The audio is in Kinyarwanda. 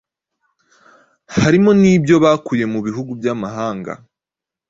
harimo n'ibyo bakuye mu bihugu by'amahanga